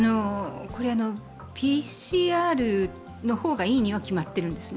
ＰＣＲの方がいいには決まっているんですね。